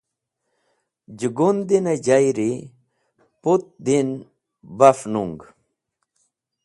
Jẽgundinẽ jayri putdin baf nung.